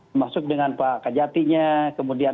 termasuk dengan pak kajatinya kemudian